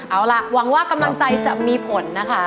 เอาล่ะหวังว่ากำลังใจจะมีผลนะคะ